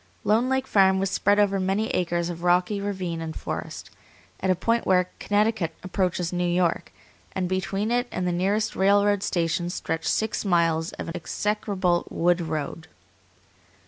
Lone Lake Farm was spread over many acres of rocky ravine and forest, at a point where Connecticut approaches New York, and between it and the nearest railroad station stretched six miles of an execrable wood road.